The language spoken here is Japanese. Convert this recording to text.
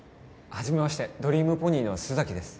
はじめましてドリームポニーの須崎です